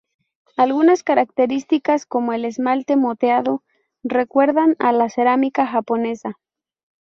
Algunas características, como el esmalte moteado recuerdan a la cerámica japonesa.